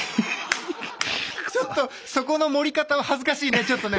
ちょっとそこの盛り方は恥ずかしいねちょっとね。